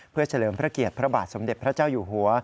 เพื่อเฉลิมพระเกียรติพระบาทสมเด็จพระเจ้าอยู่หัว